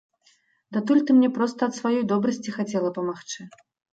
Датуль ты мне проста ад сваёй добрасці хацела памагчы.